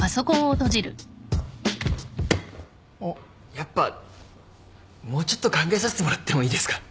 やっぱもうちょっと考えさせてもらってもいいですか？